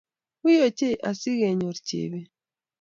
Wiiy ochei asigenyor Chebet